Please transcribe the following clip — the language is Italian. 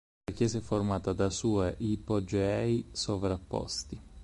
La chiesa è formata da sue ipogei sovrapposti.